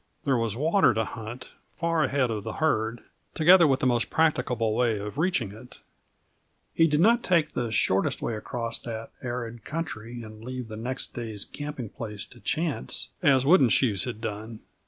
There was water to hunt, far ahead of the herd, together with the most practicable way of reaching it. He did not take the shortest way across that arid country and leave the next day's camping place to chance as Wooden Shoes had done.